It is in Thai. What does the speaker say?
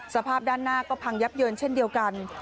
สภาพด้านหน้าก็พังยับเยินเช่นเดียวกัน